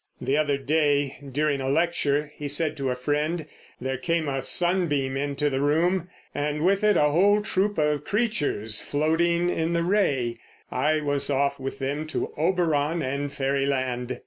"The other day, during a lecture," he said to a friend, "there came a sunbeam into the room, and with it a whole troop of creatures floating in the ray; and I was off with them to Oberon and fairyland."